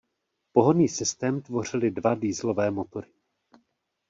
Pohonný systém tvořily dva dieselové motory.